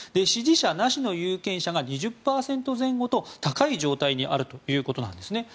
支持者なしの有権者が２０％前後と高い状態にあるということなんです。